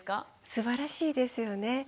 すばらしいですよね。